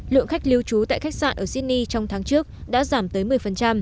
lượng khách lưu trú tại khách sạn ở sydney trong tháng trước đã giảm tới một mươi